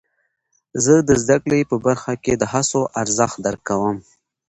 زه د زده کړې په برخه کې د هڅو ارزښت درک کوم.